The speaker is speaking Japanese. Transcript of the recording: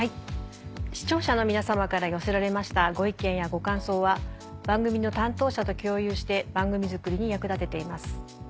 視聴者の皆様から寄せられましたご意見やご感想は番組の担当者と共有して番組作りに役立てています。